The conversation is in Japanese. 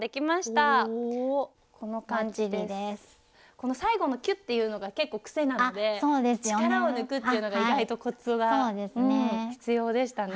この最後のキュッていうのが結構癖なので力を抜くっていうのが意外とコツが必要でしたね。